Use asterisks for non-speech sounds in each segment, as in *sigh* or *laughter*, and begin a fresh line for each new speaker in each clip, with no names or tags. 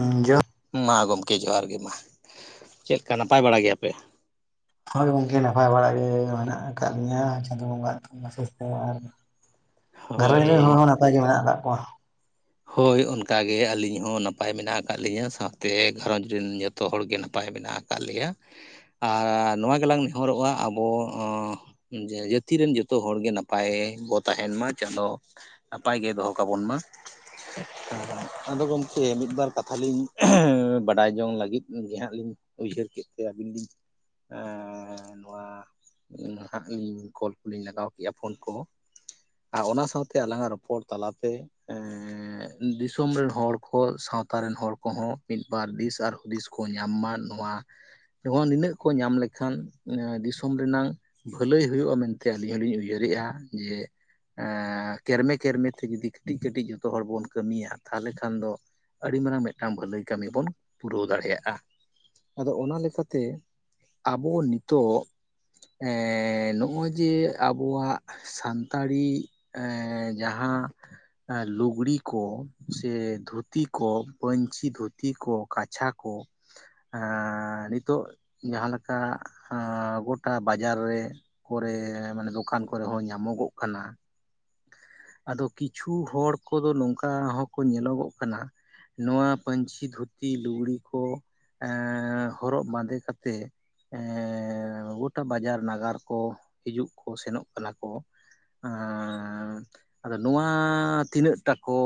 ᱤᱧ ᱡᱚᱻ
ᱢᱟ ᱜᱚᱢᱠᱮ ᱡᱚᱦᱟᱨ ᱜᱮ, ᱢᱟ ᱪᱮᱫ ᱞᱮᱠᱟ ᱱᱟᱯᱟᱭ ᱵᱟᱲᱟ ᱜᱮᱭᱟᱯᱮ?
ᱦᱳᱭ ᱜᱚᱝᱠᱮ ᱱᱟᱯᱟᱭ ᱵᱟᱲᱟᱜ ᱜᱮ ᱢᱮᱱᱟᱜ ᱟᱠᱟᱫ ᱞᱤᱧᱟ᱾ ᱪᱟᱸᱫᱳ ᱵᱚᱸᱜᱟ ᱟᱜ ᱛᱷᱩᱢ ᱟᱥᱤᱥ ᱛᱮ ᱟᱨ ᱜᱷᱟᱨᱚᱸᱧᱡᱽ ᱨᱮᱱ ᱦᱚᱲ
ᱦᱳᱭ
ᱦᱚᱸ ᱱᱟᱯᱟᱭ ᱜᱮ ᱢᱮᱱᱟᱜ ᱟᱠᱟᱫ ᱠᱚᱣᱟ᱾
ᱦᱳᱭ ᱚᱱᱠᱟ ᱜᱮ ᱟᱹᱞᱤᱧ ᱦᱚᱸ ᱱᱟᱯᱟᱭ ᱜᱮ ᱢᱮᱱᱟᱜ ᱟᱠᱟᱫ ᱞᱤᱧᱟ, ᱥᱟᱶᱛᱮ ᱜᱷᱟᱨᱚᱸᱧᱡᱽ ᱨᱮᱱ ᱡᱚᱛᱚ ᱦᱚᱲᱜᱮ ᱱᱟᱯᱟᱭ ᱢᱮᱱᱟᱜ ᱟᱠᱟᱫ ᱞᱮᱭᱟ ᱟᱨ ᱱᱚᱣᱟ ᱜᱮᱞᱟᱝ ᱱᱮᱦᱚᱨᱚᱜ-ᱟ ᱟᱵᱚ ᱡᱮ ᱡᱟᱹᱛᱤ ᱨᱮᱱ ᱡᱚᱛᱚ ᱦᱚᱲᱜᱮ ᱱᱟᱯᱟᱭ ᱵᱚᱱ ᱛᱟᱦᱮᱱ ᱢᱟ ᱪᱟᱸᱫᱳ᱾ ᱱᱟᱯᱟᱭ ᱜᱮ ᱫᱚᱦᱚ ᱠᱟᱵᱚᱱ ᱢᱟ᱾ ᱟᱫᱚ ᱜᱚᱢᱠᱮ ᱢᱤᱫ ᱵᱟᱨ ᱠᱟᱛᱷᱟ ᱞᱤᱧ ᱵᱟᱰᱟᱭ ᱡᱚᱝ ᱞᱟᱹᱜᱤᱫ ᱜᱮᱦᱟᱸᱜ ᱞᱤᱧ ᱩᱭᱦᱟᱹᱨ ᱠᱮᱫᱛᱮ ᱟᱹᱵᱤᱱ ᱞᱤᱧ ᱮᱸᱻ ᱱᱚᱣᱟ ᱦᱟᱜ ᱞᱤᱧ ᱠᱚᱞ ᱠᱚᱞᱤᱤᱧ ᱞᱟᱜᱟᱣ ᱠᱮᱜ-ᱟ ᱯᱷᱳᱱ ᱠᱚ ᱟᱨ ᱚᱱᱟ ᱥᱟᱶᱛᱮ ᱟᱞᱟᱝ ᱟᱜ ᱨᱚᱯᱚᱲ ᱛᱟᱞᱟᱛᱮ ᱫᱤᱥᱚᱢ ᱨᱮᱱ ᱦᱚᱲ ᱠᱚ ᱥᱟᱶᱛᱟ ᱨᱮᱱ ᱦᱚᱲ ᱠᱚᱦᱚᱸ ᱢᱤᱫ ᱵᱟᱨ ᱫᱤᱥ ᱟᱨ ᱦᱩᱫᱤᱥ ᱠᱚ ᱧᱟᱢ ᱢᱟ, ᱱᱚᱣᱟ ᱱᱤᱱᱟᱹᱜ ᱠᱚ ᱧᱟᱢ ᱞᱮᱠᱷᱟᱱ ᱫᱤᱥᱚᱢ ᱨᱮᱱᱟᱝ ᱵᱷᱟᱹᱞᱟᱹᱭ ᱦᱩᱭᱩᱜᱼᱟ ᱢᱮᱱᱛᱮ ᱟᱹᱞᱤᱧ ᱦᱚᱞᱤᱧ ᱩᱭᱦᱟᱹᱨ ᱮᱫᱟ᱾ ᱡᱮ ᱮᱸᱻ ᱠᱮᱨᱢᱮ ᱠᱮᱨᱢᱮ ᱛᱮ ᱡᱩᱫᱤ ᱠᱟᱹᱴᱤᱡᱼ ᱠᱟᱹᱴᱤᱡ ᱡᱚᱛᱚ ᱦᱚᱲ ᱵᱚᱱ ᱠᱟᱹᱢᱤᱭᱟ ᱛᱟᱦᱚᱞᱮ ᱠᱷᱟᱱ ᱫᱚ ᱟᱹᱰᱤ ᱢᱟᱨᱟᱝ ᱢᱤᱫᱴᱟᱝ ᱵᱷᱟᱹᱞᱟᱹᱭ ᱠᱟᱹᱢᱤ ᱵᱚᱱ ᱯᱩᱨᱟᱹᱣ ᱫᱟᱲᱮᱭᱟᱜᱼᱟ᱾ ᱟᱫᱚ ᱚᱱᱟ ᱞᱮᱠᱟᱛᱮ ᱟᱵᱚ ᱱᱤᱛᱚᱜ ᱮᱸᱻᱱᱚᱜᱼᱚᱭ ᱡᱮ ᱟᱵᱚᱣᱟᱜ ᱥᱟᱱᱛᱟᱲᱤ ᱡᱟᱦᱟᱸ ᱞᱩᱜᱽᱲᱤ ᱠᱚ ᱥᱮ ᱫᱷᱩᱛᱤ ᱠᱚ ᱯᱟᱹᱧᱪᱤ ᱫᱷᱩᱛᱤ ᱠᱚ ᱠᱟᱪᱷᱟ ᱠᱚ ᱟᱸᱻ ᱱᱤᱛᱚᱜ ᱡᱟᱦᱟᱸ ᱞᱮᱠᱟ ᱟᱸᱻ ᱜᱚᱴᱟ ᱵᱟᱡᱟᱨ ᱨᱮ ᱠᱚᱨᱮ ᱢᱟᱱᱮ ᱫᱚᱠᱟᱱ ᱠᱚᱨᱮ ᱦᱚᱸ ᱧᱟᱢᱚᱜᱚᱜ ᱠᱟᱱᱟ᱾ ᱟᱫᱚ ᱠᱤᱪᱷᱩ ᱦᱚᱲ ᱠᱚᱫᱚ ᱱᱚᱝᱠᱟ ᱦᱚᱸᱠᱚ ᱧᱮᱞᱚᱜᱚᱜ ᱠᱟᱱᱟ᱾ ᱱᱚᱣᱟ ᱯᱟᱱᱪᱤ ᱫᱷᱩᱛᱤ ᱞᱩᱜᱽᱲᱤ ᱠᱚ ᱮᱸ ᱦᱚᱨᱚᱜ ᱵᱟᱸᱫᱮ ᱠᱟᱛᱮᱜ ᱮᱸᱻ ᱜᱚᱴᱟ ᱵᱟᱡᱟᱨ ᱱᱟᱜᱟᱨ ᱠᱚ ᱦᱤᱡᱩᱜ ᱠᱚ ᱥᱮᱱᱚᱜ ᱠᱟᱱᱟ ᱠᱚ ᱮᱸᱻ ᱟᱫᱚ ᱱᱚᱣᱟ ᱛᱤᱱᱟᱹᱜ ᱴᱟᱠᱚ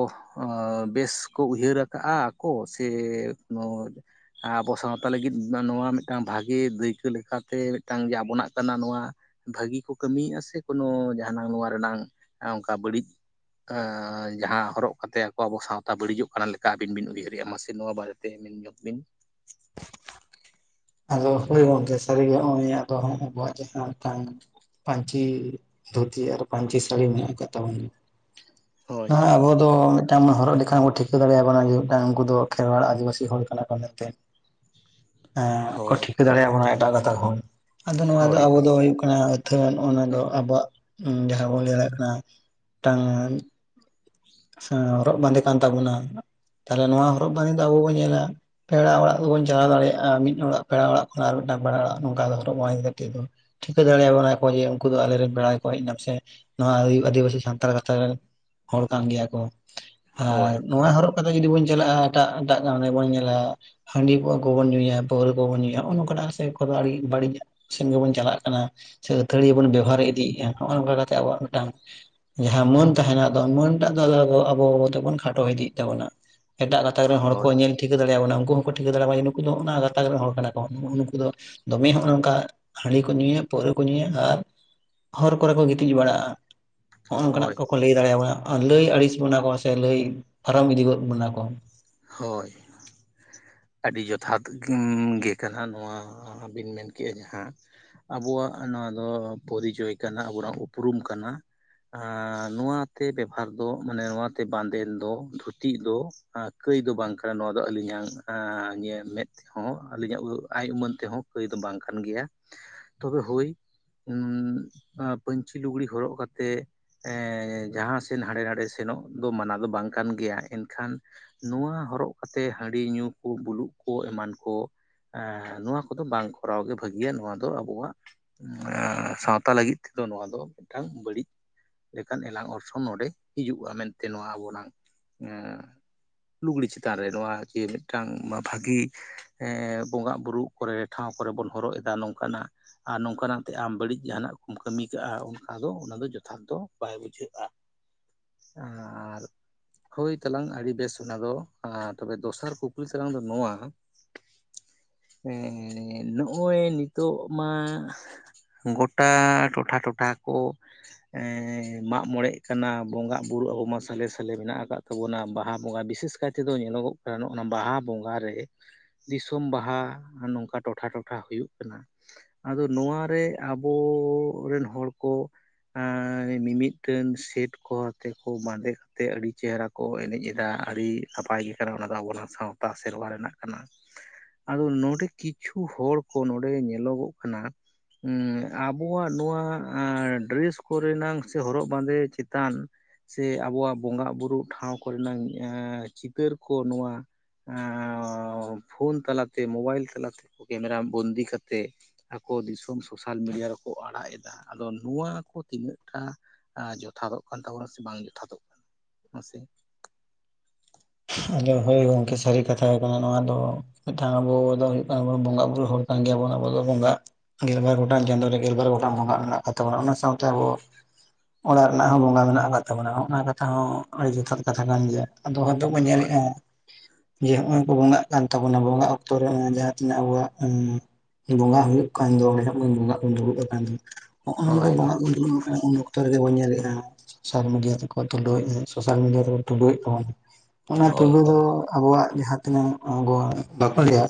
ᱟ ᱵᱮᱥ ᱠᱚ ᱩᱭᱦᱟᱹᱨᱟ ᱠᱟᱜᱼᱟ ᱠᱚ ᱥᱮ ᱟᱵᱚ ᱥᱟᱶᱛᱟ ᱞᱟᱹᱜᱤᱫ ᱱᱚᱣᱟ ᱢᱤᱫᱴᱟᱱ ᱵᱷᱟᱜᱮ ᱫᱟᱹᱭᱠᱟᱹ ᱞᱮᱠᱟᱛᱮ ᱢᱤᱫᱴᱟᱝ ᱜᱮ ᱟᱵᱚᱱᱟᱜ ᱠᱟᱱᱟ ᱱᱚᱣᱟ ᱵᱷᱟᱹᱜᱤ ᱠᱚ ᱠᱟᱹᱢᱤᱭᱮᱫᱼᱟ ᱥᱮ ᱠᱳᱱᱳ ᱡᱟᱦᱟᱸ ᱱᱟᱝ ᱱᱚᱣᱟ ᱨᱮᱱᱟᱝ ᱚᱱᱠᱟ ᱵᱟᱹᱲᱤᱡ ᱟᱸ ᱡᱟᱦᱟᱸ ᱦᱚᱨᱚᱜ ᱠᱟᱛᱮ ᱟᱠᱚ ᱟᱵᱚ ᱥᱟᱶᱛᱟ ᱵᱟᱹᱲᱤᱡᱚᱜ ᱠᱟᱱᱟ ᱞᱮᱠᱟ ᱟᱹᱵᱤᱱ ᱵᱤᱱ ᱩᱭᱦᱟᱹᱨᱮᱜᱼᱟ ᱢᱟᱥᱮ ᱱᱚᱣᱟ ᱵᱟᱨᱮᱛᱮ ᱢᱮᱱ ᱧᱚᱜ ᱵᱤᱱ᱾
ᱟᱫᱚ ᱦᱳᱭ ᱜᱚᱢᱠᱮ ᱥᱟᱹᱨᱤᱜᱮ, ᱱᱚᱜᱼᱚᱭ ᱟᱫᱚ ᱟᱵᱚᱣᱟᱜ ᱪᱮᱛᱟᱱ ᱨᱮ ᱛᱟᱦᱮᱱ ᱯᱟᱹᱧᱪᱤ ᱫᱷᱩᱛᱤ ᱟᱨ ᱯᱟᱹᱧᱪᱤ ᱥᱟᱹᱲᱤ ᱢᱮᱱᱟᱜ ᱟᱠᱟᱫ ᱛᱟᱵᱚᱱ
ᱦᱳᱭ
ᱟᱨ ᱟᱵᱚ ᱫᱚ ᱢᱤᱫᱴᱟᱝ ᱦᱚᱨᱚᱜ ᱞᱮᱠᱷᱟᱱ ᱵᱚ ᱴᱷᱤᱠᱟᱹ ᱫᱟᱲᱮᱭᱟᱵᱚᱱᱟ ᱡᱮ ᱢᱤᱫᱴᱟᱝ ᱩᱱᱠᱩ ᱫᱚ ᱠᱷᱮᱨᱣᱟᱲ ᱟᱹᱫᱤᱵᱟᱹᱥᱤ ᱦᱚᱲ ᱠᱟᱱᱟ ᱠᱚ ᱢᱮᱱᱛᱮ᱾ ᱠᱚ
ᱦᱳᱭ
ᱴᱷᱤᱠᱟᱹ ᱫᱟᱲᱮᱭᱟ ᱵᱚᱱᱟ ᱮᱴᱟᱜ ᱜᱟᱸᱛᱟᱠ ᱦᱚᱲ᱾ ᱟᱫᱚ ᱱᱚᱣᱟ ᱫᱚ
ᱦᱳᱭ
ᱟᱵᱚ
ᱦᱳᱭ
ᱫᱚ ᱦᱩᱭᱩᱜ ᱟᱹᱛᱷᱟᱹᱱ ᱚᱱᱟ ᱫᱚ ᱟᱵᱚᱣᱟᱜ ᱡᱟᱦᱟᱸ ᱵᱚᱱ ᱞᱟᱹᱭ ᱫᱟᱲᱮᱭᱟᱜ ᱠᱟᱱᱟ᱾ ᱢᱤᱫᱴᱟᱝ ᱦᱚᱨᱚᱜ ᱵᱟᱸᱫᱮ ᱠᱟᱱ ᱛᱟᱵᱚᱱᱟ᱾ ᱛᱟᱦᱞᱮ ᱱᱚᱣᱟ ᱦᱚᱨᱚᱜ ᱵᱟᱸᱫᱮ ᱫᱚ ᱟᱵᱚ ᱵᱚᱱ ᱧᱮᱞᱟ ᱯᱮᱲᱟ ᱚᱲᱟᱜ ᱫᱚᱵᱚᱱ ᱪᱟᱞᱟᱣ ᱫᱟᱲᱮᱭᱟᱜᱼᱟ ᱢᱤᱫ ᱚᱲᱟᱜ ᱯᱮᱲᱟ ᱚᱲᱟᱜ ᱠᱷᱚᱱ ᱟᱨ ᱢᱤᱫᱴᱟᱝ ᱯᱮᱲᱟ ᱚᱲᱟᱜ ᱱᱚᱝᱠᱟ ᱦᱚᱨᱚᱜ ᱵᱟᱮᱫ ᱫᱚ ᱴᱷᱤᱠᱟᱹ ᱫᱟᱲᱮᱭᱟᱵᱚᱱᱟ ᱠᱚ ᱡᱮ ᱩᱱᱠᱩ ᱫᱚ ᱟᱞᱮᱨᱮᱱ ᱵᱮᱲᱟᱭ ᱠᱚ ᱦᱮᱡ ᱮᱱᱟᱢ ᱥᱮ ᱱᱚᱣᱟ ᱟᱹᱫᱤᱵᱟᱹᱥᱤ ᱥᱟᱱᱛᱟᱲ ᱜᱟᱛᱟ ᱨᱮᱱ ᱦᱚᱲ ᱠᱟᱱ ᱜᱮᱭᱟ ᱠᱚ ᱟᱨ
ᱦᱳᱭ
ᱱᱚᱣᱟ ᱦᱚᱨᱚᱜ ᱠᱟᱛᱮᱮᱫ ᱡᱩᱫᱤ ᱵᱚᱱ ᱪᱟᱞᱟᱜᱼᱟ ᱮᱴᱟᱜ ᱮᱴᱟᱜ ᱜ ᱨᱮ ᱵᱚᱱ ᱧᱮᱞᱟ ᱦᱟᱺᱰᱤ ᱠᱚᱣᱟ ᱠᱚᱵᱚᱱ ᱧᱩᱭᱟ ᱯᱟᱹᱣᱨᱟᱹ ᱠᱚᱵᱚᱱ ᱧᱩᱭᱟᱜ ᱱᱚᱝᱠᱟᱱᱟᱜᱫᱚ ᱵᱟᱹᱲᱤᱡᱟᱜ ᱥᱮᱱᱜᱮᱵᱚᱱ ᱪᱟᱞᱟᱜ ᱠᱟᱱᱟ ᱥᱮ ᱟᱹᱛᱷᱟᱹᱲᱤ ᱵᱚᱱ ᱵᱮᱵᱚᱦᱟᱨ ᱤᱫᱤᱭᱮᱫᱼᱟ ᱱᱚᱜᱼᱚ ᱱᱚᱝᱠᱟ ᱠᱟ ᱠᱟᱛᱮᱜ ᱟᱵᱚᱣᱟᱜ ᱢᱤᱫᱴᱟᱱ ᱡᱟᱦᱟᱸ ᱢᱟᱹᱱ ᱛᱟᱦᱮᱱᱟ ᱫᱚ ᱢᱟᱹᱱ ᱮᱟᱜ ᱫᱚ ᱟᱵᱚ ᱫᱚᱵᱚᱱ ᱠᱷᱟᱴᱚ ᱤᱫᱤᱭ ᱛᱵᱚᱱᱟ ᱮᱴᱟᱜ ᱜᱟᱛᱟᱠ ᱨᱮᱱ ᱦᱚᱲ ᱠᱚ ᱧᱮᱞ ᱴᱷᱤᱠᱟᱹ ᱫᱟᱲᱮᱭᱟᱵᱚᱱᱟ ᱩᱱᱠᱩ ᱦᱚᱸᱠᱚ ᱴᱷᱤᱠᱟᱹ ᱫᱟᱲᱮᱭᱟᱜᱣᱟ ᱱᱩᱠᱩ ᱫᱚ ᱚᱱᱟ ᱜᱟᱛᱟᱠ ᱨᱮᱱ ᱦᱚᱲ ᱠᱟᱱᱟ ᱠᱚ ᱱᱩᱠᱩ ᱫᱚ ᱫᱚᱢᱮ ᱱᱚᱜᱼᱚ ᱱᱚᱝᱠᱟ ᱦᱟᱺᱰᱤ ᱠᱚ ᱧᱩᱭᱟ ᱯᱟᱹᱣᱨᱟᱹ ᱠᱚ ᱧᱩᱭᱟ ᱟᱨ ᱦᱚᱨ ᱠᱚᱨᱮ ᱠᱚ ᱜᱤᱛᱤᱡ ᱵᱟᱲᱟᱜᱼᱟ᱾ ᱱᱚᱜᱼᱚ ᱱᱚᱝᱠᱟᱱᱟᱜ
ᱦᱳᱭ
ᱠᱚᱠᱚ ᱞᱟᱹᱭ ᱫᱟᱲᱮᱭᱟᱵᱚᱱᱟ ᱞᱟᱹᱭ ᱟᱹᱲᱤᱥ ᱵᱚᱱᱟ ᱠᱚ ᱥᱮ ᱞᱟᱹᱭ ᱯᱟᱨᱚᱢ ᱤᱫᱤ ᱜᱚᱫ ᱵᱚᱱᱟ ᱠᱚ
ᱦᱳᱭ ᱟᱹᱰᱤ ᱡᱚᱛᱷᱟᱛ ᱜᱤᱱ ᱜᱮ ᱠᱟᱱᱟ ᱱᱚᱣᱟ ᱵᱤᱱ ᱢᱮᱱ ᱠᱮᱜᱼᱟ ᱡᱟᱦᱟᱸ᱾ ᱟᱵᱚᱣᱟᱜ ᱱᱚᱣᱟ ᱫᱚ ᱯᱚᱨᱤᱪᱚᱭ ᱠᱟᱱᱟ ᱟᱵᱚᱣᱟᱜ ᱩᱯᱨᱩᱢ ᱠᱟᱱᱟ᱾ ᱟᱸᱱᱚᱣᱟᱛᱮ ᱵᱮᱵᱷᱟᱨ ᱫᱚ ᱢᱟᱱᱮ ᱱᱚᱣᱟᱛᱮ ᱵᱟᱸᱫᱮᱱ ᱫᱚ ᱫᱷᱩᱛᱤ ᱫᱚ ᱠᱟᱹᱭ ᱫᱚ ᱵᱟᱝ ᱠᱟᱱᱟ ᱱᱚᱣᱟ ᱫᱚ ᱟᱹᱞᱤᱧᱟᱜ ᱢᱮᱫ ᱦᱚᱸ ᱟᱹᱞᱤᱧᱟᱜ ᱟᱭ ᱩᱢᱟᱹᱱ ᱛᱮᱦᱚᱸ ᱠᱟᱹᱭ ᱫᱚ ᱵᱟᱝ ᱠᱟᱱ ᱜᱮᱭᱟ ᱛᱚᱵᱮ ᱦᱳᱭ ᱯᱟᱹᱧᱪᱤ ᱞᱩᱜᱽᱲᱤ ᱦᱚᱨᱚᱜ ᱠᱟᱛᱮᱜ ᱮ ᱡᱟᱦᱟᱸ ᱥᱮᱱ ᱦᱟᱸᱰᱮ ᱱᱟᱰᱮ ᱥᱮᱱᱚᱜ ᱫᱚ ᱢᱟᱱᱟᱣ ᱫᱚ ᱵᱟᱝ ᱠᱟᱱ ᱜᱮᱭᱟ ᱮᱱᱠᱷᱟᱱ ᱱᱚᱣᱟ ᱦᱚᱨᱚᱜ ᱠᱟᱛᱮᱮᱫ ᱦᱟᱺᱰᱤ ᱧᱩ ᱠᱚ ᱵᱩᱞᱩᱜ ᱠᱚ ᱮᱢᱟᱱ ᱠᱚ ᱱᱚᱣᱟ ᱠᱚᱫᱚ ᱵᱟᱝ ᱠᱚᱨᱟᱣ ᱜᱮ ᱵᱷᱟᱹᱜᱤᱭᱟ ᱱᱚᱣᱟ ᱫᱚ ᱟᱵᱚᱣᱟᱜ ᱥᱟᱶᱛᱟ ᱞᱟᱹᱜᱤᱫ ᱛᱮᱫᱚ ᱱᱚᱣᱟ ᱫᱚ ᱢᱤᱫᱴᱟᱝ ᱵᱟᱹᱲᱤᱡ ᱞᱮᱠᱟᱱ ᱮᱞᱟᱝ ᱚᱨᱥᱚᱝ ᱱᱚᱰᱮ ᱦᱤᱡᱩᱜᱼᱟ ᱢᱮᱱᱛᱮ ᱱᱚᱣᱟ ᱟᱵᱚᱱᱟᱝ ᱞᱩᱜᱽᱲᱤ ᱪᱮᱛᱟᱱ ᱨᱮ ᱱᱚᱣᱟ ᱡᱮ ᱢᱤᱫᱴᱟᱝ ᱵᱷᱟᱹᱜᱤ ᱵᱚᱸᱜᱟ ᱵᱩᱨᱩᱜ ᱠᱚᱨᱮ ᱴᱷᱟᱶ ᱠᱚᱨᱮ ᱵᱚᱱ ᱦᱚᱨᱚᱜ ᱮᱫᱟ ᱱᱚᱝᱠᱟᱱᱟᱜ ᱟᱨ ᱱᱚᱝᱠᱟᱱᱟᱜᱛᱮ ᱟᱢ ᱵᱟᱹᱲᱤᱡ ᱡᱟᱦᱟᱱᱟᱜ ᱠᱚᱢ ᱠᱟᱹᱢᱤ ᱠᱟᱜᱼᱟ ᱚᱱᱠᱟ ᱫᱚ ᱚᱱᱟ ᱫᱚ ᱡᱚᱛᱷᱟᱛ ᱵᱟᱭ ᱵᱩᱡᱷᱟᱹᱜᱼᱟ᱾ ᱟᱨ ᱦᱳᱭ ᱛᱟᱞᱟᱝ ᱟᱹᱰᱤ ᱵᱮᱥ ᱚᱱᱟ ᱫᱚ ᱛᱚᱵᱮ ᱫᱚᱥᱟᱨ ᱠᱩᱠᱞᱤ ᱥᱟᱞᱟᱝ ᱫᱚ ᱱᱚᱣᱟ ᱮᱸᱻ ᱱᱚᱜᱼᱚᱭ ᱱᱤᱛᱳᱜ ᱢᱟ ᱜᱚᱴᱟᱹ ᱴᱚᱴᱷᱟ ᱴᱚᱴᱷᱟ ᱠᱚ ᱮᱸᱻ ᱢᱟᱜ ᱢᱚᱬᱮᱜ ᱠᱟᱱᱟ ᱵᱚᱸᱜᱟ ᱵᱩᱨᱩᱳ ᱟᱵᱚ ᱢᱟ ᱥᱟᱞᱮ ᱥᱟᱞᱮ ᱢᱮᱱᱟᱜ ᱟᱠᱟᱫ ᱛᱟᱵᱚᱱᱟ ᱵᱟᱦᱟ ᱵᱚᱸᱜᱟ ᱵᱤᱥᱮᱥ ᱠᱟᱭ ᱛᱮᱫᱚ ᱧᱮᱞᱚᱜᱚᱜ ᱠᱟᱱᱟᱜᱼ ᱚᱱᱟ ᱵᱟᱦᱟ ᱵᱚᱸᱜᱟ ᱨᱮ ᱫᱤᱥᱚᱢ ᱵᱟᱦᱟ ᱱᱚᱝᱠᱟ ᱴᱚᱴᱷᱟ ᱴᱚᱴᱷᱟ ᱦᱩᱭᱩᱜ ᱠᱟᱱᱟ ᱟᱫᱚ ᱱᱚᱣᱟᱨᱮ ᱟᱵᱚ ᱨᱮᱱ ᱦᱚᱲ ᱠᱚ ᱟᱨ ᱢᱤᱢᱤᱫᱴᱟᱝ ᱥᱮᱴ ᱠᱚ ᱟᱛᱮ ᱠᱚ ᱵᱟᱸᱫᱮ ᱠᱟᱛᱮᱜ ᱟᱹᱰᱤ ᱪᱮᱦᱨᱟ ᱠᱚ ᱮᱱᱮᱡ ᱟ ᱟᱹᱰᱤ ᱱᱟᱯᱟᱭ ᱜᱮ ᱠᱟᱱᱟ ᱚᱱᱟ ᱫᱚ ᱟᱵᱚᱱᱟᱜ ᱥᱟᱶᱛᱟ ᱥᱮᱨᱣᱟ ᱨᱮᱱᱟᱜ ᱠᱟᱱᱟ ᱟᱫᱚ ᱱᱚᱰᱮ ᱠᱤᱪᱷᱩ ᱦᱚᱲ ᱠᱚ ᱱᱚᱰᱮ ᱧᱮᱞᱚᱜᱚᱜ ᱠᱟᱱᱟᱹ ᱟᱵᱚᱣᱟᱜ ᱱᱚᱣᱟ ᱰᱨᱮᱥ ᱠᱚᱨᱮᱱᱟᱝ ᱥᱮ ᱦᱚᱨᱚᱜ ᱵᱟᱸᱫᱮ ᱪᱮᱛᱟᱱ ᱥᱮ ᱟᱵᱚᱣᱟᱜ ᱵᱚᱸᱜᱟᱼᱵᱩᱨᱩᱩᱜ ᱴᱷᱟᱶ ᱠᱚᱨᱮᱱᱟ ᱪᱤᱛᱟᱹᱨ ᱠᱚ ᱱᱚᱣᱟ ᱟᱸᱻ ᱯᱷᱳᱱ ᱛᱟᱞᱟᱛᱮ ᱢᱳᱚᱵᱟᱭᱤᱞ ᱛᱟᱞᱟᱛᱮᱠᱚ ᱠᱮᱢᱮᱨᱟ ᱵᱚᱱᱫᱤ ᱠᱟᱛᱮᱮᱫ ᱟᱠᱚ ᱫᱤᱥᱚᱢ ᱥᱳᱥᱟᱞ ᱢᱤᱰᱤᱭᱟ ᱨᱮᱠᱚ ᱟᱲᱟᱜ ᱮᱫᱟ ᱟᱫᱚ ᱱᱚᱣᱟ ᱠᱚ ᱛᱤᱱᱟᱹᱜᱴᱟ ᱡᱚᱛᱷᱟᱛᱚᱜ ᱠᱟᱱ ᱛᱟᱵᱚᱱᱟ ᱥᱮ ᱵᱟᱝ ᱡᱚᱛᱷᱟᱛᱚᱜ ᱠᱟᱱᱟ ᱢᱟᱥᱮ?
ᱟᱫᱚ ᱦᱳᱭ ᱜᱚᱢᱠᱮ ᱥᱟᱹᱨᱤ ᱠᱟᱛᱷᱟ ᱠᱟᱱᱟ ᱱᱚᱣᱟ ᱫᱚ ᱟᱵᱚ ᱫᱚ ᱦᱩᱭᱩᱜ ᱠᱟᱱᱟᱵᱚᱱ ᱵᱚᱸᱜᱟ ᱵᱩᱨᱩ ᱦᱚᱲ ᱠᱟᱱ ᱜᱮᱭᱟᱵᱚᱱ ᱟᱵᱚ ᱫᱚ ᱵᱚᱸᱜᱟ ᱜᱮᱞᱵᱟᱨ ᱜᱚᱴᱟᱝ ᱪᱟᱸᱫᱳ ᱨᱮ ᱜᱮᱞᱵᱟᱨ ᱜᱚᱴᱟᱝ ᱵᱚᱸᱜᱟᱜ ᱢᱮᱱᱟᱜ ᱟᱠᱟᱫ ᱛᱟᱵᱚᱱᱟ ᱚᱱᱟ ᱥᱟᱶᱛᱮ ᱟᱵᱚ ᱚᱲᱟᱜ ᱨᱮᱱᱟᱜ ᱦᱚᱸ ᱵᱚᱸᱜᱟ ᱢᱮᱱᱟᱜ ᱟᱠᱟᱫ ᱛᱟᱵᱚᱱᱟ ᱚᱱᱟ ᱠᱟᱛᱷᱟ ᱦᱚᱸ ᱟᱹᱰᱤ ᱡᱚᱛᱷᱟᱛ ᱠᱟᱛᱷᱟ ᱠᱟᱱ ᱜᱮᱭᱟ ᱟ ᱵᱟᱹ
ᱦᱳᱭ
ᱧᱮᱞᱮᱜᱼᱟ ᱡᱮ ᱱᱚᱜᱼᱚᱭ ᱠᱚ ᱵᱚᱸᱜᱟᱜ ᱠᱟᱱ ᱛᱟᱵᱚᱱᱟ ᱵᱚᱸᱜᱟᱜ ᱚᱠᱛᱚ ᱨᱮ ᱡᱟᱦᱟᱸ ᱛᱤᱱᱟᱹᱜ ᱟᱵᱚᱣᱟᱜ ᱵᱚᱸᱜᱟᱟᱜ ᱦᱩᱭᱩᱜ ᱠᱟᱱ ᱫᱚ ᱚᱸᱰᱮᱚᱱ ᱵᱚᱸᱜᱟᱜ ᱵᱚᱱ ᱫᱩᱲᱩᱵ ᱟᱠᱟᱱ ᱫᱚ ᱱᱚᱜᱼᱚ ᱱᱚᱝᱠᱟ
ᱦᱳᱭ
ᱵᱚᱸᱟᱜ
ᱦᱳᱭ
ᱵᱚᱱ ᱫᱩᱲᱩᱵ ᱟᱠᱟᱱᱟ ᱩᱱ ᱡᱚᱠᱷᱟᱡ ᱡᱚᱛᱚ ᱨᱮᱜᱮ ᱵᱚᱱ ᱧᱮᱞᱮᱫᱼᱟ ᱥᱳᱥᱟᱞ ᱢᱤᱰᱤᱭᱟ ᱛᱮᱠᱚ ᱛᱩᱞᱟᱹᱣᱮᱫᱼᱟ ᱥᱳᱥᱟᱞ ᱢᱤᱰᱤᱭᱟ ᱛᱮᱠᱚ ᱛᱩᱞᱟᱹᱣ ᱮᱮᱫᱟᱵᱚᱱᱟ ᱚᱱᱟ ᱛᱵᱟᱹ
ᱦᱳᱭ
ᱫᱚ ᱟᱵᱚᱣᱟᱜ ᱡᱟᱦᱟᱸᱛᱤᱤᱱᱟᱹᱜ ᱵᱟᱠᱚ ᱞᱟᱹᱭᱟ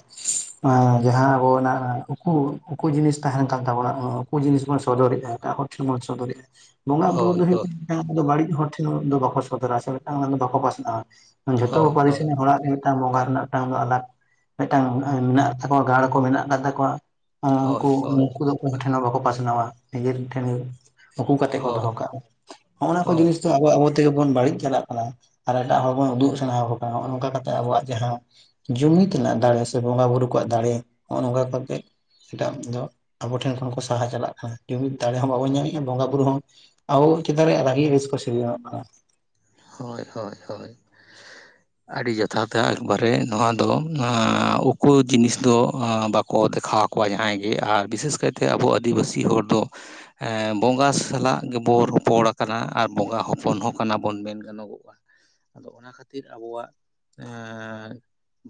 ᱚᱱᱟ ᱡᱟᱦᱟᱸ ᱟᱵᱚᱱᱟᱜ ᱩᱠᱩ ᱩᱠᱩ ᱡᱤᱱᱤᱥ ᱛᱟᱦᱮᱱ ᱠᱟᱱ ᱛᱟᱵᱚᱱᱟ, ᱩᱠᱚ ᱡᱤᱱᱤᱥ ᱵᱚᱱ ᱥᱚᱫᱚᱨᱭᱟ ᱮᱴᱟᱜ ᱦᱚᱲ ᱴᱷᱮᱱ ᱵᱚᱱ ᱥᱚᱫᱚᱨᱮ-ᱟ ᱵᱚᱸᱜᱟ-ᱵᱩᱨᱩ
ᱦᱳᱭ
ᱫᱚ ᱦᱩᱭᱩᱜ ᱠᱟᱱᱟ *inaudible* ᱟᱢ ᱫᱚ ᱵᱟᱹᱲᱤᱡ ᱦᱚᱲ ᱴᱷᱮᱱ ᱩᱱᱫᱚ ᱵᱟᱠᱚ ᱥᱚᱫᱚᱨᱟ ᱥᱮ ᱢᱤᱫᱴᱟᱝ ᱚᱱᱟ ᱫᱚ ᱵᱟᱠᱚ ᱯᱟᱥᱱᱟᱜ-ᱟ ᱾ ᱡᱷᱚᱛᱚ ᱠᱚ
ᱦᱳᱭ
ᱯᱟᱹᱨᱤᱥ ᱥᱮᱱ
ᱦᱳᱭ
ᱦᱟᱲᱟᱜ ᱨᱮᱱ ᱢᱤᱫᱴᱟᱝ ᱵᱚᱸᱜᱟ ᱨᱮᱱᱟᱜ ᱢᱤᱫᱴᱟᱝ ᱫᱚ ᱟᱞᱟᱜᱽ ᱢᱤᱫᱴᱟᱝ ᱢᱮᱱᱟᱜ ᱛᱟᱠᱚᱣᱟ ᱜᱟᱲ ᱠᱚ ᱢᱮᱱᱟᱜ ᱟᱠᱟᱫ ᱛᱟᱠᱚᱣᱟ
ᱦᱳᱭ
ᱩᱱᱠᱩ
ᱦᱳᱭ
ᱩᱱᱠᱩ ᱫᱚ ᱚᱠᱚᱭ ᱴᱷᱮᱱ ᱦᱚᱸ ᱵᱟᱠᱚ ᱯᱟᱥᱱᱟᱣᱟ ᱱᱤᱡᱮᱨ ᱴᱷᱮᱱ ᱩᱠᱩ ᱠᱟᱛᱮ ᱠᱚ
ᱦᱳᱭ ᱦᱳᱭ
ᱫᱚᱦᱚ ᱠᱟᱜᱼᱟ ᱦᱚᱸᱜᱼ
ᱦᱳᱭ
ᱱᱟ ᱠᱚ
ᱦᱳᱭ
ᱡᱤᱱᱤᱥ ᱟ ᱟᱵᱚ ᱛᱮᱜᱮ ᱵᱚᱱ ᱵᱟᱹᱲᱤᱡ ᱪᱟᱞᱟᱜ ᱠᱟᱱᱟ ᱟᱨ ᱮᱴᱟᱜ ᱦᱚᱲ ᱵᱚᱱ ᱩᱫᱩᱜ ᱥᱟᱱᱟᱚ ᱠᱟᱱᱟ ᱱᱚᱜᱚ ᱱᱚᱝᱠᱟ ᱠᱟᱛᱮ ᱟᱵᱚᱣᱟᱜ ᱡᱟᱦᱟᱸ ᱡᱩᱢᱤᱫ ᱨᱮᱱᱟᱜ ᱫᱟᱲᱮ ᱥᱮ ᱵᱚᱸᱜᱟᱼ ᱵᱩᱨᱩ ᱠᱚᱣᱟᱜ ᱫᱟᱲᱮ ᱱᱚᱜᱼ ᱱᱚᱝᱠᱟ ᱠᱟ ᱠᱟᱛᱮᱜ ᱮᱴᱟᱜ ᱫᱚ ᱟᱵᱚ ᱴᱷᱮᱱ ᱠᱷᱚᱱ ᱠᱚ ᱥᱟᱦᱟ ᱪᱟᱞᱟᱜ ᱠᱟᱱᱟ ᱡᱩᱢᱤᱫ ᱫᱟᱲᱮ ᱦᱚᱸ ᱵᱟᱵᱚᱱ ᱧᱟᱢᱮᱜᱼᱟ ᱵᱚᱸᱜᱟ ᱵᱩᱨᱩ ᱦᱚᱸ, *unintelligible*
ᱦᱳᱭ ᱦᱳᱭ ᱦᱳᱭ ᱟᱹᱰᱤ ᱡᱚᱛᱷᱟᱛ ᱛᱮ ᱮᱠᱵᱟᱨᱮ ᱱᱚᱣᱟ ᱫᱚ ᱩᱠᱩ ᱡᱤᱱᱤᱥ ᱫᱚ ᱵᱟᱠᱚ ᱫᱮᱠᱷᱟᱣ ᱠᱚ ᱠᱚᱣᱟ ᱡᱟᱦᱟᱸᱭ ᱜᱮ ᱟᱨ ᱵᱤᱥᱮᱥ ᱠᱟᱭᱛᱮ ᱟᱵᱚ ᱟᱹᱫᱤᱵᱟᱹᱥᱤ ᱦᱚᱲ ᱫᱚ ᱵᱚᱸᱜᱟ ᱥᱟᱞᱟᱜ ᱜᱮᱵᱚ ᱨᱚᱯᱚᱲ ᱠᱟᱱᱟ ᱟᱨ ᱵᱚᱸᱜᱟ ᱦᱚᱯᱚᱱ ᱦᱚᱸ ᱠᱟᱱᱟ ᱵᱚᱱ ᱵᱚᱱ ᱢᱮᱱ ᱜᱟᱱᱚᱜᱚᱜᱼᱟ ᱟᱫᱚ ᱚᱱᱟ ᱠᱷᱟᱹᱛᱤᱨ ᱟᱵᱚᱣᱟᱜ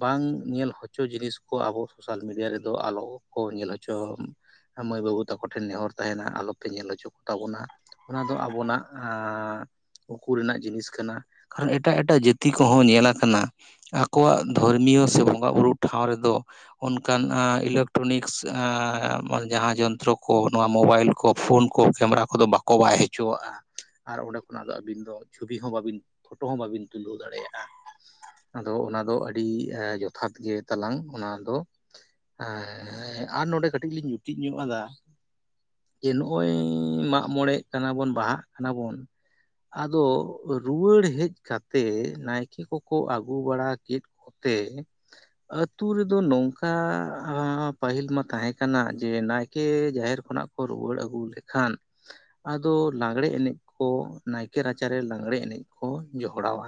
ᱵᱟᱝ ᱧᱮᱞ ᱦᱚᱪᱚ ᱡᱤᱱᱤᱥ ᱠᱚ ᱟᱵᱚ ᱥᱳᱥᱟᱞ ᱢᱤᱰᱤᱭᱟ ᱨᱮᱫᱚ ᱟᱞᱚᱠᱚ ᱧᱮᱞ ᱦᱚᱪᱚ ᱢᱟᱹᱭ ᱵᱟᱹᱵᱩ ᱛᱟᱠᱚ ᱴᱷᱮᱱ ᱱᱮᱦᱚᱨ ᱛᱟᱦᱮᱱᱟ ᱟᱞᱚᱯᱮ ᱧᱮᱞ ᱦᱚᱪᱚ ᱠᱚᱛᱟ ᱵᱚᱱᱟ, ᱚᱱᱟ ᱫᱚ ᱟᱵᱚᱱᱟᱜ ᱦᱟᱹᱠᱩ ᱨᱮᱱᱟᱜ ᱡᱤᱱᱤᱥ ᱠᱟᱱᱟ ᱠᱟᱨᱚᱱ ᱮᱴᱟᱜ ᱮᱴᱟᱜ ᱡᱟᱹᱛᱤ ᱠᱚᱦᱚᱸ ᱧᱮᱞᱟ ᱟᱠᱟᱱᱟᱹ ᱟᱠᱚᱣᱟᱜ ᱫᱷᱚᱨᱢᱤᱭᱚ ᱥᱮ ᱵᱚᱸᱜᱟ ᱵᱩᱨᱩ ᱴᱷᱟᱶ ᱨᱮᱫᱚ ᱚᱱᱠᱟ ᱱᱤᱜ ᱤᱞᱮᱠᱴᱨᱚᱱᱤᱠ *unintelligible* ᱡᱟᱦᱟᱸ ᱡᱚᱱᱛᱨᱚ ᱠᱚ ᱱᱚᱣᱟ ᱢᱳᱵᱟᱭᱤᱞ ᱯᱷᱳᱱ ᱠᱚ ᱠᱮᱢᱮᱨᱟ ᱠᱚᱫᱚ ᱵᱟᱠᱚ ᱵᱟᱭ ᱦᱚᱪᱚᱣᱟᱜᱼᱟ ᱟᱨ ᱚᱸᱰᱮ ᱠᱷᱚᱱᱟᱜ ᱫᱚ ᱟᱹᱵᱤᱱ ᱫᱚ ᱪᱷᱚᱵᱤ ᱦᱚᱸ ᱵᱟᱵᱤᱱ ᱯᱷᱳᱴᱳ ᱦᱚᱸ ᱵᱟᱹᱵᱤᱱ ᱛᱩᱞᱟᱹᱣ ᱫᱟᱲᱮᱭᱟᱜᱼᱟ ᱟᱫᱚ ᱚᱱᱟ ᱫᱚ ᱟᱹᱰᱤ ᱡᱚᱛᱷᱟᱛ ᱜᱮ ᱛᱟᱞᱟᱝ ᱚᱱᱟ ᱫᱚ, ᱦᱮᱸ ᱦᱮ ᱦᱮᱸ ᱟᱨ ᱱᱚᱰᱮ ᱠᱟᱹᱴᱤᱡ ᱞᱤᱧ ᱡᱩᱛᱮᱤᱡ ᱧᱚᱜ ᱟᱫᱟᱹ ᱡᱮ ᱱᱚᱜᱼᱚᱭ ᱢᱟᱜ ᱢᱚᱬᱮᱜ ᱠᱟᱱᱟ ᱵᱚᱱ ᱵᱟᱦᱟᱜ ᱠᱟᱱᱟ ᱵᱚᱱ, ᱫᱚ ᱨᱩᱣᱟᱹᱲ ᱦᱮᱡ ᱠᱟᱛᱮ ᱱᱟᱭᱠᱮ ᱠᱚᱠᱚ ᱟᱹᱜᱩ ᱵᱟᱲᱟ ᱠᱮᱫ ᱠᱚ, ᱚᱠᱛᱮ ᱟᱹᱛᱩᱳ ᱨᱮᱫᱚ ᱱᱚᱝᱠᱟ ᱯᱟᱹᱦᱤᱞ ᱢᱟ ᱛᱟᱦᱮᱸ ᱠᱟᱱᱟ ᱡᱮ ᱱᱟᱭᱠᱮ ᱡᱟᱦᱮᱨ ᱠᱷᱚᱱᱟᱜ ᱠᱚ ᱨᱩᱣᱟᱹᱲ ᱟᱹᱜᱩ ᱞᱮᱠᱷᱟᱱ ᱟᱫᱚ ᱞᱟᱜᱽᱲᱮ ᱮᱱᱮᱡ ᱠᱚ ᱱᱟᱭᱠᱮ ᱦᱮ ᱪᱮ ᱨᱟᱪᱟᱨᱮ ᱞᱟᱜᱽᱲᱮ ᱮᱱᱮᱡ ᱠᱚ ᱡᱚᱦᱚᱲᱟᱣᱟ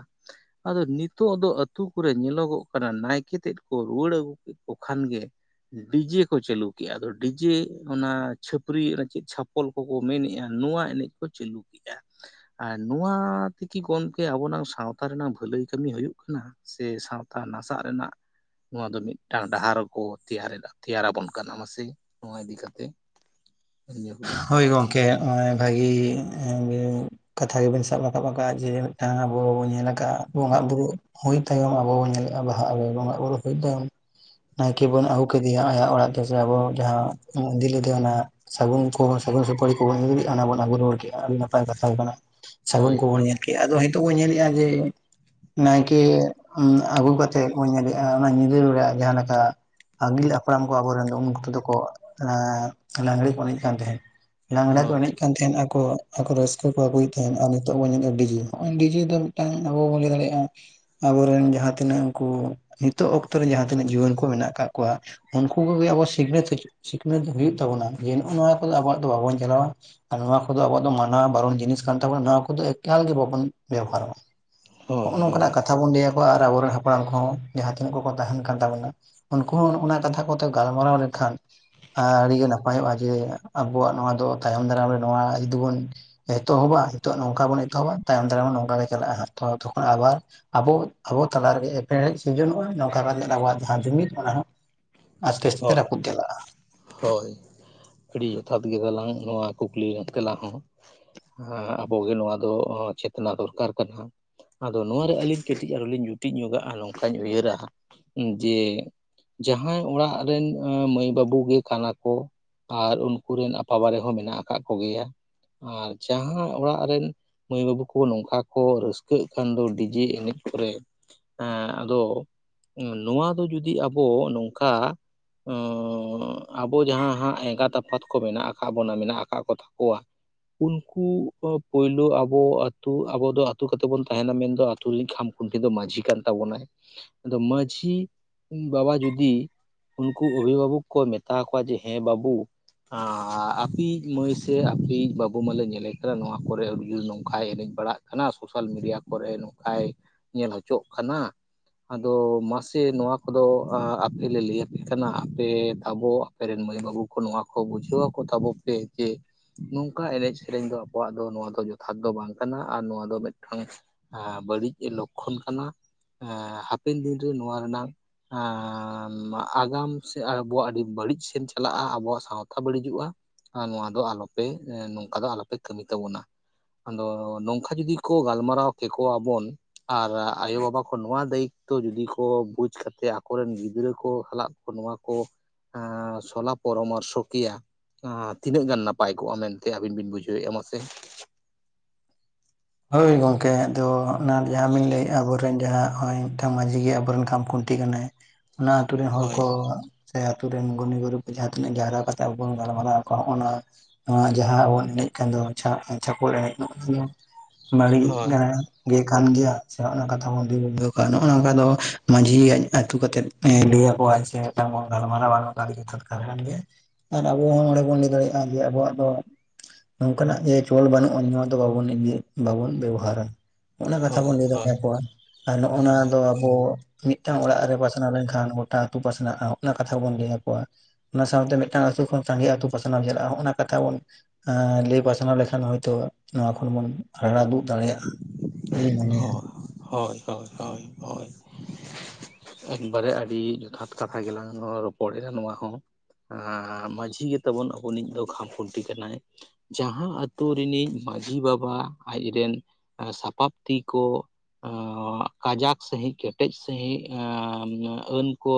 ᱟᱫᱚ ᱱᱤᱛᱚᱜ ᱚᱛᱳ ᱠᱚᱨᱮ ᱧᱮᱞᱚᱜᱚᱜ ᱠᱟᱱᱟ ᱱᱟᱭᱠᱮ ᱛᱮᱫ ᱠᱚ ᱨᱩᱣᱟᱹᱲ ᱟᱹᱜᱩ ᱠᱮᱫ ᱠᱚ ᱠᱷᱟᱱ ᱜᱮ ᱰᱤᱡᱮ ᱠᱚ ᱪᱟᱹᱞᱩ ᱠᱮᱫᱼᱟ ᱟᱫᱚ ᱰᱤᱡᱮ ᱚᱱᱟ ᱪᱷᱟᱹᱯᱟᱹᱨᱤ ᱚᱱᱟ ᱪᱮᱫ ᱪᱷᱟᱯ ᱦᱚᱯᱚᱞ ᱠᱚᱠᱚ ᱢᱮᱱᱮᱫᱼᱟ ᱱᱚᱣᱟ ᱮᱱᱮᱡ ᱠᱚ ᱪᱟᱹᱞᱩ ᱠᱮᱫᱮᱜᱼᱟ, ᱟᱨ ᱱᱚᱣᱟ ᱛᱮᱠᱤ ᱜᱚᱢᱠᱮ ᱟᱵᱚᱱᱟᱝ ᱥᱟᱶᱛᱟ ᱨᱮᱱᱟᱝ ᱵᱷᱟᱹᱞᱟᱹᱭ ᱠᱟᱹᱢᱤ ᱦᱩᱭᱩᱜ ᱠᱟᱱᱟ ᱥᱮ ᱥᱟᱶᱛᱟ ᱱᱟᱥᱟᱜ ᱨᱮᱱᱟᱜ ᱱᱚᱣᱟ ᱫᱚ ᱢᱤᱫᱴᱟᱝ ᱰᱟᱦᱟᱨᱠᱚ ᱛᱮᱭᱟᱨᱟᱵᱚᱱ ᱠᱟᱱᱟ ᱢᱟᱥᱮ ᱱᱚᱣᱟ ᱤᱫᱤ ᱠᱟᱛᱮᱜ, *inaudible*
ᱦᱳᱭ ᱜᱚᱝᱠᱮ ᱱᱚᱜᱼᱚᱭ ᱵᱷᱟᱹᱜᱤ ᱠᱟᱛᱷᱟ ᱜᱮᱵᱟᱭ ᱥᱟᱵ ᱨᱟᱠᱟᱵ ᱟᱠᱟᱫ ᱡᱮ ᱢᱤᱫᱴᱟᱝ ᱟᱵᱚ ᱵᱚᱱ ᱧᱮᱞ ᱟᱠᱟᱫ ᱵᱚᱸᱜᱟᱼ ᱵᱩᱨᱩ ᱦᱩᱭ ᱛᱟᱭᱚᱢ ᱟᱵᱚ ᱵᱚᱱ ᱧᱮᱞᱮᱜᱼᱟ ᱵᱟᱦᱟᱜ ᱨᱮ ᱵᱚᱸᱜᱟᱼ ᱵᱩᱨᱩ ᱦᱩᱭ ᱛᱟᱭᱚᱢ ᱱᱟᱭᱠᱮ ᱵᱚᱱ ᱟᱹᱜᱩ ᱠᱮᱫᱮᱭᱟ ᱟᱭᱟᱜ ᱚᱲᱟᱜ ᱛᱮᱥᱮ ᱟᱵᱚ ᱡᱟᱦᱟᱸ ᱵᱚᱱ ᱤᱫᱤ ᱞᱮᱫᱮᱭᱟ ᱚᱱᱟ ᱥᱟᱹᱜᱩᱱ ᱟᱵᱚ ᱥᱟᱹᱜᱩᱱ ᱥᱩᱯᱟᱹᱨᱤ ᱠᱚᱵᱚᱱ ᱟᱱᱟ ᱵᱚᱱ ᱟᱹᱜᱩ ᱨᱩᱣᱟᱲ ᱠᱮᱜᱼᱟ ᱟᱰᱤ ᱱᱟᱯᱟᱭ ᱠᱟᱛᱷᱟ ᱜᱮ ᱠᱟᱱᱟ ᱥᱟᱹᱜᱩᱱ
ᱦᱳᱭ
ᱠᱚᱵᱚᱱ
ᱦᱳᱭ
ᱧᱮᱞ ᱾ ᱮ ᱟᱫᱚ ᱦᱮᱛᱚᱜ ᱵᱚᱱ ᱧᱮᱞᱮᱜᱼᱟ ᱡᱮ, ᱱᱟᱭᱠᱮ ᱟᱹᱜᱩ ᱠᱟᱛᱮᱫ ᱵᱚᱱ ᱧᱮᱞᱮᱜᱼᱟ ᱚᱱᱟ ᱧᱤᱫᱟᱹ ᱵᱮᱲᱟ ᱡᱟᱦᱟᱸ ᱞᱮᱠᱟ, ᱟᱹᱜᱤᱞ ᱦᱟᱯᱲᱟᱢ ᱠᱚ ᱟᱵᱚᱨᱮᱱ ᱫᱚ ᱩᱱᱠᱩ ᱠᱚ ᱫᱚ ᱠᱚ ᱞᱟᱜᱽᱲᱮ ᱠᱚ ᱮᱱᱮᱡ, ᱠᱟᱱ ᱛᱟᱦᱮᱸᱫ ᱞᱟᱜᱽᱲᱮ ᱠᱚ
ᱦᱳᱭ
ᱮᱱᱮᱡ ᱠᱟᱱ ᱠᱟᱱ ᱛᱟᱦᱮᱸᱱ ᱟᱠᱚ ᱟᱠᱚ ᱨᱟᱹᱥᱠᱟᱹ ᱠᱚ ᱟᱹᱜᱩᱭᱮᱫ ᱛᱟᱦᱮᱸᱫ ᱟᱨ ᱱᱤᱛᱚᱜ ᱵᱚᱱ ᱧᱮᱞᱮᱫᱼᱟ ᱰᱤᱡᱮ ᱦᱚᱸᱜ ᱰᱤᱡᱮ ᱫᱚ *unintelligible* ᱟᱵᱚ ᱵᱚᱱ ᱞᱟᱭ ᱫᱟᱲᱮᱭᱟᱜᱼᱟ, ᱟᱵᱚᱨᱮᱱ ᱡᱟᱦᱟᱸ ᱛᱤᱱᱟᱹᱜ ᱩᱱᱠᱩ ᱱᱤᱛᱚᱜ ᱚᱠᱛᱚ ᱨᱮ ᱡᱟᱦᱟᱸ ᱛᱤᱱᱟᱹᱜ ᱡᱩᱣᱟᱹᱱ ᱠᱚ ᱢᱮᱱᱟᱜ ᱟᱠᱟᱫ ᱠᱚᱣᱟ, ᱩᱱᱠᱩ ᱠᱚᱜᱮ ᱟᱵᱚ ᱥᱤᱠᱷᱱᱟᱹᱛ, ᱥᱤᱠᱷᱱᱟᱹᱛ ᱦᱩᱭᱩᱜ ᱛᱟᱵᱚᱱᱟ ᱡᱮ ᱱᱚᱜᱚᱭ ᱱᱚᱣᱟ ᱠᱚᱫᱚ ᱟᱵᱚᱣᱟᱜ ᱫᱚ ᱵᱟᱵᱚᱱ ᱪᱟᱞᱟᱣᱟ ᱱᱚᱣᱟ ᱠᱚᱫᱚ ᱟᱵᱚ ᱫᱚ ᱢᱟᱱᱟ ᱵᱟᱨᱚᱱ ᱡᱤᱱᱤᱥ ᱠᱟᱱ ᱛᱟᱵᱚᱱᱟ ᱱᱚᱣᱟ ᱠᱚᱫᱚ ᱮᱠᱟᱞᱜᱮ ᱵᱟᱵᱚᱱ ᱵᱮᱵᱚᱦᱟᱨᱟ
ᱦᱳᱭ
ᱦᱚᱜᱼᱚᱭ ᱱᱚᱝᱠᱟᱱᱟᱜ ᱠᱟᱛᱷᱟ ᱵᱚᱱ ᱞᱟᱹᱭᱟᱠᱚᱣᱟ ᱟᱨ ᱟᱵᱚᱨᱮᱱ ᱦᱟᱯᱲᱟᱢ ᱠᱚᱦᱚᱸ ᱡᱟᱦᱟᱸ ᱛᱤᱱᱟᱹᱜ ᱠᱚᱠᱚ ᱛᱟᱦᱮᱱ ᱠᱟᱱ ᱛᱟᱵᱚᱱᱟ ᱩᱱᱠᱩ ᱦᱚᱸ ᱚᱱᱟ ᱠᱟᱛᱷᱟ ᱠᱚᱛᱮ ᱜᱟᱞᱢᱟᱨᱟᱣ ᱞᱮᱠᱷᱟᱱ ᱟᱰᱤᱜᱮ ᱱᱟᱯᱟᱭᱚᱜ-ᱟ ᱡᱮ ᱟᱵᱚᱣᱟᱜ ᱱᱚᱣᱟ ᱫᱚ ᱛᱟᱭᱚᱢ ᱫᱟᱨᱟᱢ ᱨᱮ ᱱᱚᱣᱟ ᱡᱩᱫᱤ ᱵᱚᱱ ᱮᱛᱚᱦᱚᱵᱟ ᱱᱤᱛᱚᱜ ᱱᱚᱝᱠᱟ ᱵᱚᱱ ᱮᱛᱚᱦᱚᱵᱟ ᱛᱟᱭᱚᱢ ᱫᱟᱨᱟᱢ ᱦᱚᱸ ᱱᱚᱝᱠᱟ ᱜᱮ ᱪᱟᱞᱟᱜᱼᱟ ᱦᱟᱸᱜ ᱛᱷᱚᱲᱟ ᱛᱚᱠᱷᱚᱱ ᱟᱵᱟᱨ ᱟᱵᱚ ᱟᱵᱚ ᱛᱟᱞᱟ ᱨᱮᱜᱮ ᱮᱯᱮᱲᱦᱮᱸᱰᱮᱡ ᱥᱤᱨᱡᱚᱱᱚᱜᱼᱟ ᱱᱚᱝᱠᱟ ᱟᱵᱚᱣᱟᱜ ᱡᱟᱦᱟᱸ ᱡᱩᱢᱤᱫ ᱚᱱᱟ ᱦᱚᱸ ᱟᱥᱛᱮ ᱟᱥᱛᱮ
ᱦᱳᱭ ᱦᱳᱭ
ᱨᱟᱹᱯᱩᱫ ᱪᱟᱞᱟᱜ-ᱟ
ᱦᱳᱭ ᱟᱹᱰᱤ ᱡᱚᱛᱷᱟᱛ ᱜᱮ ᱜᱟᱞᱟᱝ ᱱᱚᱣᱟ ᱠᱩᱠᱞᱤ ᱛᱮᱞᱟ ᱦᱚᱸ ᱦᱣ ᱟᱵᱚᱜᱮ ᱱᱚᱣᱟ ᱫᱚ ᱪᱮᱛ ᱨᱮᱱᱟᱜ ᱫᱚᱨᱠᱟᱨ ᱠᱟᱱᱟ, ᱟᱫᱚ ᱱᱚᱣᱟᱨᱮ ᱟᱹᱞᱤᱧ ᱠᱟᱹᱴᱤᱡ ᱟᱨᱦᱚᱸ ᱞᱤᱧ ᱡᱩᱴᱤᱡ ᱧᱚᱜᱟᱜᱼᱟ ᱱᱚᱝᱠᱟᱧ ᱩᱭᱦᱟᱹᱨᱟ ᱡᱮ ᱡᱟᱦᱟᱸᱭ ᱚᱲᱟᱜ ᱨᱮᱱ ᱢᱟᱹᱭ ᱵᱟᱹᱵᱩ ᱜᱮ ᱠᱟᱱᱟ ᱠᱚ ᱟᱨ ᱩᱱᱠᱩ ᱨᱮᱱ ᱟᱯᱟᱵᱟᱨᱮ ᱦᱚᱸ ᱢᱮᱱᱟᱜ ᱟᱠᱟᱫ ᱠᱚᱜᱮᱭᱟ ᱟᱨ ᱡᱟᱦᱟᱸ ᱚᱲᱟᱜ ᱨᱮᱱ ᱢᱟᱹᱭ ᱵᱟᱹᱵᱩ ᱠᱚ ᱱᱚᱝᱠᱟ ᱠᱚ ᱨᱟᱹᱥᱠᱟᱹᱜ ᱠᱷᱟᱱ ᱫᱚ ᱰᱤᱡᱮ ᱮᱱᱮᱡ ᱠᱚᱨᱮ ᱦᱮᱸ ᱟᱫᱚ ᱱᱚᱣᱟ ᱫᱚ ᱡᱩᱫᱤ ᱟᱵᱚ ᱱᱚᱝᱠᱟ ᱚᱸᱻ ᱟᱵᱚ ᱡᱟᱦᱟᱸ ᱦᱟᱸᱜ ᱮᱸᱜᱟᱛ ᱟᱯᱟᱛ ᱠᱚ ᱢᱮᱱᱟᱜ ᱟᱠᱟᱫ ᱵᱚᱱᱟ ᱢᱮᱱᱟᱜ ᱟᱠᱟᱫ ᱠᱚ ᱛᱟᱠᱚᱣᱟ ᱩᱱᱠᱩ ᱯᱳᱭᱞᱩ ᱟᱵᱩ ᱟᱹᱛᱩ ᱟᱵᱩ ᱫᱚ ᱟᱹᱛᱩ ᱠᱟᱛᱮ ᱵᱚᱱ ᱛᱟᱦᱮᱱᱟ ᱢᱮᱱᱫᱚ ᱟᱛᱩ ᱨᱮᱧ ᱠᱷᱟᱢ ᱠᱷᱩᱱᱴᱤ ᱫᱚ ᱢᱟᱺᱡᱷᱤ ᱠᱟᱱ ᱛᱟᱵᱚᱱᱟᱭ ᱟᱫᱚ ᱢᱟᱺᱡᱷᱤ ᱵᱟᱵᱟ ᱡᱩᱫᱤ ᱩᱱᱠᱩ ᱚᱵᱷᱤᱵᱷᱟᱵᱚᱠ ᱠᱚ ᱢᱮᱛᱟ ᱠᱚᱣᱟ ᱡᱮ ᱦᱮᱸ ᱵᱟᱹᱵᱩ ᱟᱯᱤᱡ ᱢᱟᱹᱭ ᱥᱮ ᱟᱯᱤᱡ ᱵᱟᱹᱵᱩ ᱢᱟᱞᱮ ᱧᱮᱞᱮ ᱠᱟᱱᱟ ᱱᱚᱣᱟ ᱠᱚᱨᱮ ᱟᱹᱰᱤᱡᱳᱨ ᱱᱚᱝᱠᱟᱭ ᱮᱱᱮᱡ ᱵᱟᱲᱟᱜ ᱦᱟᱱᱟ ᱥᱳᱥᱟᱞ ᱢᱤᱰᱤᱭᱟ ᱠᱚᱨᱮ ᱱᱚᱝᱠᱟᱭ ᱧᱮᱞ ᱦᱚᱪᱚᱜ ᱠᱟᱱᱟ ᱟᱫᱚ ᱢᱟᱥᱮ ᱱᱚᱣᱟ ᱠᱚᱫᱚ ᱟᱯᱮᱞᱮ ᱞᱟᱹᱭᱟᱯᱮ ᱠᱟᱱᱟ ᱟᱯᱮ ᱟᱵᱚ ᱟᱯᱮ ᱨᱮᱱ ᱢᱟᱹᱭ ᱵᱟᱹᱵᱩ ᱠᱚ ᱱᱚᱣᱟ ᱠᱚ ᱵᱩᱡᱷᱟᱹᱣ ᱟᱠᱚ ᱛᱟᱵᱚ ᱯᱮ ᱡᱮ ᱱᱚᱝᱠᱟ ᱮᱱᱮᱡ ᱥᱮᱨᱮᱧ ᱫᱚ ᱟᱵᱚᱣᱟᱜ ᱫᱚ ᱱᱚᱣᱟ ᱫᱚ ᱡᱚᱛᱷᱟᱛ ᱫᱚ ᱵᱟᱝ ᱠᱟᱱᱟ ᱟᱨ ᱱᱚᱣᱟ ᱫᱚ ᱢᱤᱫᱴᱟᱝ ᱟ ᱵᱟᱹᱲᱤᱡ ᱞᱚᱠᱠᱷᱚᱱ ᱠᱟᱱᱟ ᱟᱸ ᱦᱟᱯᱮᱱ ᱫᱤᱱᱨᱮ ᱱᱚᱣᱟᱨᱮᱱᱟᱝ ᱟᱸ ᱟᱜᱟᱢ ᱥᱮ ᱟᱵᱚᱣᱟᱜ ᱵᱟᱹᱲᱤᱡ ᱥᱮᱱ ᱪᱟᱞᱟᱜ-ᱟ ᱟᱵᱚᱣᱟᱜ ᱥᱟᱶᱛᱟ ᱵᱟᱹᱲᱤᱡᱚᱜ-ᱟ ᱟᱨ ᱱᱚᱣᱟ ᱫᱚ ᱟᱞᱚᱯᱮ ᱱᱚᱝᱠᱟ ᱫᱚ ᱟᱞᱚᱯᱮ ᱠᱟᱹᱢᱤ ᱛᱟᱵᱚᱱᱟ, ᱟᱫᱚ ᱱᱚᱝᱠᱟ ᱡᱩᱫᱤ ᱠᱚ ᱜᱟᱞᱢᱟᱨᱟᱣ ᱠᱮᱠᱚᱣᱟᱵᱚᱱ ᱟᱨ ᱟᱭᱳᱵᱟᱵᱟ ᱠᱚ ᱱᱚᱣᱟ ᱫᱟᱭᱤᱛᱛᱚ ᱡᱩᱫᱤ ᱠᱚ ᱵᱩᱡᱽ ᱠᱟᱛᱮᱫ ᱟᱠᱚᱨᱮᱱ ᱜᱤᱫᱽᱨᱟᱹ ᱠᱚ ᱥᱟᱞᱟᱜ ᱱᱚᱶᱟ ᱠᱚ ᱮᱸ ᱥᱚᱞᱟ ᱯᱚᱨᱟᱢᱚᱨᱥᱚ ᱠᱤᱭᱟ ᱟᱨ ᱛᱤᱱᱟᱹᱜ ᱜᱟᱱ ᱱᱟᱯᱟᱭ ᱠᱚᱜ-ᱟ ᱢᱮᱱᱛᱮ ᱟᱵᱤᱱ ᱵᱤᱱ ᱵᱩᱡᱷᱟᱹᱣᱮᱫ-ᱟ ᱢᱟᱥᱮ
ᱦᱳᱭ ᱜᱚᱝᱠᱮ ᱟᱫᱚ ᱚᱱᱟ ᱡᱟᱦᱟᱸᱵᱤᱱ ᱞᱟᱹᱭᱮᱫ ᱟᱵᱚᱨᱮᱱ ᱡᱟᱦᱟᱸ ᱱᱚᱜ-ᱚᱭ ᱢᱤᱫᱴᱟᱱ ᱢᱟᱺᱡᱷᱤ ᱜᱮ ᱟᱵᱚᱨᱮᱱ ᱠᱷᱟᱢᱠᱷᱩᱱᱴᱤ ᱠᱟᱱᱟᱭ ᱚᱱᱟ ᱟᱛᱩᱨᱮᱱ ᱦᱚᱲ
ᱦᱳᱭ
ᱠᱚ ᱥᱮ ᱟᱛᱩ ᱨᱮᱱ ᱜᱩᱱᱤ ᱜᱩᱨᱤᱵ ᱠᱚ ᱡᱟᱦᱟᱸ ᱛᱤᱱᱟᱹᱜ ᱡᱟᱣᱨᱟ ᱠᱟᱛᱮ ᱟᱵᱚ ᱵᱚᱱ ᱜᱟᱞᱢᱟᱨᱟᱣ ᱟᱠᱣᱟ ᱦᱚᱸᱜᱟᱱᱟᱭ *unintelligible* ᱟᱸ ᱡᱟᱦᱟᱸ ᱟᱵᱚᱱ ᱮᱱᱮᱡ ᱠᱟᱱ ᱫᱚ ᱪᱷᱟ ᱪᱷᱟᱠᱚᱞ ᱮᱱᱮᱡ ᱚᱱᱟ ᱦᱩᱭᱩᱜ
ᱦᱳᱭ
ᱠᱟᱱᱟ ᱜᱮ ᱠᱟᱱ ᱜᱮᱭᱟ ᱥᱮ ᱱᱚᱜ-ᱱᱚᱭᱟ ᱠᱟᱛᱷᱟ ᱵᱚᱱ ᱫᱚᱦᱚ ᱠᱟᱜ-ᱟ ᱱᱚᱜᱼᱚᱭ ᱱᱚᱝᱠᱟ ᱫᱚ ᱢᱟᱹᱡᱷᱤᱭ ᱟᱛᱩ ᱠᱟᱛᱮᱫ ᱮ ᱞᱤᱭᱮᱠᱚ ᱟᱪᱷᱮ ᱢᱤᱫᱴᱮᱱ ᱵᱚᱱ ᱜᱟᱞᱢᱟᱨᱟᱣᱟ ᱟᱨ ᱱᱚᱝᱠᱟ ᱛᱮᱜᱮ ᱨᱚᱠᱟ *unintelligible* ᱛᱟᱦᱮᱱ ᱜᱮᱭᱟ ᱟᱨ ᱟᱵᱚ ᱦᱚᱸ ᱱᱚᱸᱰᱮ ᱵᱚᱱ ᱞᱟᱹᱭ ᱫᱟᱲᱮᱜ-ᱟ ᱡᱮ ᱟᱵᱚᱣᱟᱜ ᱫᱚ ᱱᱚᱝᱠᱟᱱᱟᱜ ᱡᱮ ᱪᱚᱞ ᱵᱟᱹᱱᱩᱜᱼᱟ ᱱᱚᱣᱟ ᱫᱚ ᱵᱟᱵᱚᱱ ᱮᱫᱮ ᱵᱟᱵᱩᱱ ᱵᱮᱵᱚᱦᱟᱨᱟ ᱱᱚᱟ ᱠᱟᱛᱷᱟ
ᱦᱳᱭ
ᱵᱚᱱ ᱞᱟᱹᱭ
ᱦᱳᱭ
ᱫᱟᱲᱮᱭᱟᱠᱚᱣᱟ ᱡᱮᱢᱚᱱ ᱟᱨ ᱱᱚᱜᱼᱱᱟ
ᱦᱳᱭ
ᱫᱚ, ᱟᱵᱚ ᱢᱤᱫᱴᱟᱝ ᱚᱲᱟᱜ ᱨᱮ ᱯᱟᱥᱱᱟᱣ ᱞᱮᱱᱠᱷᱟᱱ ᱜᱚᱴᱟ ᱟᱹᱛᱩ ᱯᱟᱥᱱᱟᱜᱼᱟ ᱚᱱᱟ ᱠᱟᱛᱷᱟᱵᱚᱱ ᱞᱟᱹᱭ ᱟᱠᱚᱣᱟ ᱚᱱᱟ ᱥᱟᱶᱛᱮ ᱢᱤᱫᱴᱟᱝ ᱟᱛᱩ ᱠᱷᱚᱱ ᱥᱟᱸᱜᱮ ᱟᱛᱩ ᱯᱟᱥᱱᱟᱣ ᱪᱟᱞᱟᱜᱼᱟ ᱚᱱᱟ ᱠᱟᱛᱷᱟ ᱵᱚᱱ ᱦᱟᱸ ᱞᱟᱹᱭ ᱯᱟᱥᱱᱟᱣ ᱞᱮᱠᱷᱟᱱ ᱦᱚᱭᱛᱳ ᱱᱚᱣᱟ ᱠᱷᱚᱱ ᱵᱚᱱ ᱨᱟᱲᱟ ᱫᱩᱜ ᱫᱟᱲᱮᱭᱟᱜᱼᱟ᱾ ᱤᱧ ᱢᱚᱱᱮᱭᱟ
ᱦᱳᱭ ᱦᱳᱭ ᱦᱳᱭ ᱦᱳᱭ ᱦᱳᱭ ᱮᱠᱵᱟᱨᱮ ᱟᱹᱰᱤ ᱡᱚᱛᱷᱟᱛ ᱠᱟᱛᱷᱟ ᱜᱮᱞᱟᱝ ᱨᱚᱯᱚᱲ ᱮᱱᱟ ᱱᱚᱣᱟ ᱦᱚᱸ ᱟᱸ ᱢᱟᱺᱡᱷᱤ ᱜᱮᱛᱵᱚᱱ ᱟᱵᱚᱱᱤᱡ ᱫᱚ ᱠᱷᱟᱢ ᱠᱷᱩᱱᱴᱤ ᱠᱟᱱᱟᱭ ᱡᱟᱦᱟᱸ ᱟᱛᱳ ᱨᱤᱱᱤᱡ ᱢᱟᱺᱡᱷᱤ ᱵᱟᱵᱟ ᱟᱡᱨᱮᱱ ᱥᱟᱯᱟᱯ ᱛᱤ ᱠᱚ ᱟᱸ ᱠᱟᱡᱟᱠ ᱥᱟᱺᱦᱤᱡ ᱠᱮᱴᱮᱡ ᱥᱟᱺᱦᱤᱡ ᱟᱹᱱ ᱠᱚ